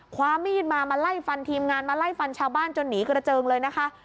ความมีดมามาไล่ฟันทีมงานมาไล่ฟันชาวบ้านจนหนีกระเจิงเลยนะคะ